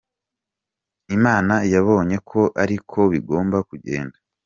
Imana yabonye ko ariko bigomba kugenda.